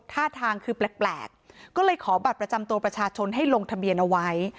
ท่าทางคือแปลกก็เลยขอบัตรประจำตัวประชาชนให้ลงทะเบียนเอาไว้